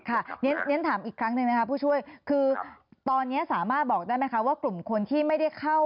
เรียนถามอีกครั้งหนึ่งนะคะผู้ช่วยคือตอนนี้สามารถบอกได้ไหมคะว่ากลุ่มคนที่ไม่ได้เข้า